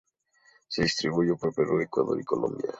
Se distribuyen por Perú, Ecuador y Colombia.